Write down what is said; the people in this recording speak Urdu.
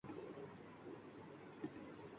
یہ ہم جو ہجر میں دیوار و در کو دیکھتے ہیں